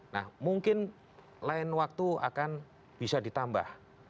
nah mungkin lain waktu akan bisa ditambah